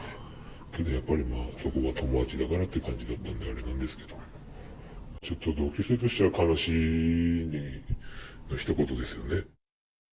けどやっぱり、そこは友達だからって感じだったんで、あれですけど、ちょっと同級生としては悲しいのひと言ですよね。